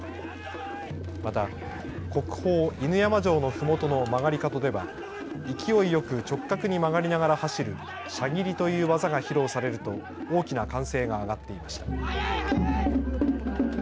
また、国宝・犬山城のふもとの曲がり角では勢いよく直角に曲がりながら走る車切という技が披露されると大きな歓声が上がっていました。